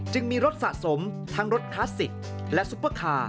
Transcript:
จึงมีรถสะสมทั้งรถคลาสสิกและสะสมร้อย